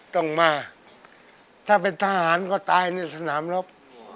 ต้องมาถ้าเป็นทหารก็ตายในสนามรบ